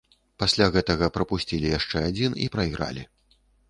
Пасля гэтага прапусцілі яшчэ адзін і прайгралі.